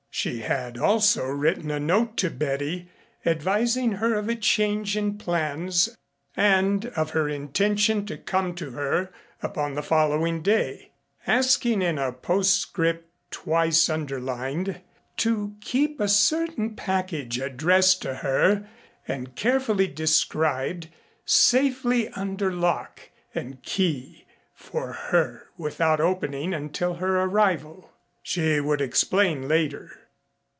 She had also written a note to Betty advising her of a change in plans and of her intention to come to her upon the following day, asking in a postscript twice underlined to keep a certain package addressed to her and carefully described safely under lock and key for her without opening until her arrival. She would explain later.